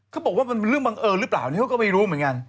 เขาบอกว่ามันเป็นเรื่องบังเอิญหรือเปล่านี่เขาก็ไม่รู้เหมือนกัน